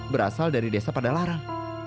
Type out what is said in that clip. berasal dari desa padalaran